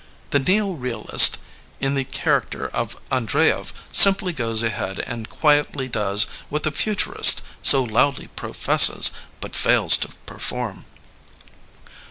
The neo realist" in the character of Andreyev simply goes ahead and quietly does what the futurist'' so loudly pro fesses, but fails to perform.